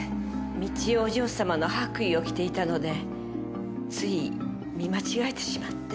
美千代お嬢様の白衣を着ていたのでつい見間違えてしまって。